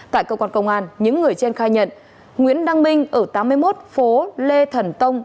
tại cơ quan công an những người trên khai nhận nguyễn đăng minh ở tám mươi một phố lê thần tông